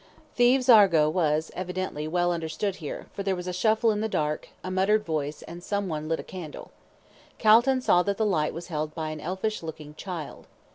Thieves' argot was, evidently, well understood here, for there was a shuffle in the dark, a muttered voice, and someone lit a candle. Calton saw that the light was held by an elfish looking child.